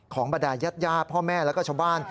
ของประดานญาติย่าพ่อแม่แล้วก็ชาวบ้าน